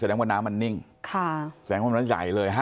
แสดงว่าน้ำมันนิ่งค่ะแสดงว่ามันใหญ่เลยฮะ